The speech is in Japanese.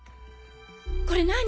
これ何？